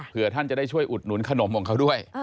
เพื่อท่านจะได้ช่วยอุดหนุนขนมของเขาด้วย